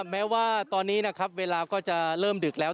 แม้ว่าตอนนี้นะครับเวลาก็จะเริ่มดึกแล้ว